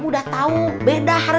ketika apaan mie ada di pei